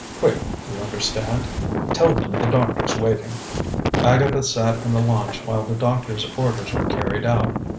Quick, you understand? Tell them the doctor's waiting." Agatha sat in the launch while the doctor's orders were carried out.